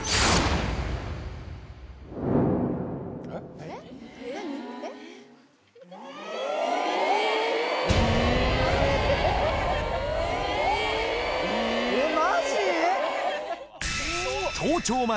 えっマジ？